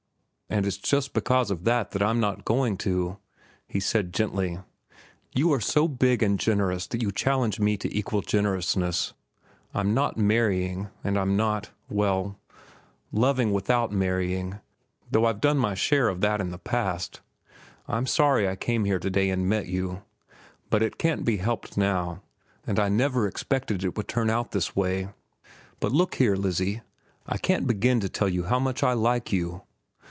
"And it's just because of that that I'm not going to," he said gently. "You are so big and generous that you challenge me to equal generousness. I'm not marrying, and I'm not—well, loving without marrying, though I've done my share of that in the past. I'm sorry I came here to day and met you. But it can't be helped now, and I never expected it would turn out this way. "But look here, Lizzie. I can't begin to tell you how much I like you.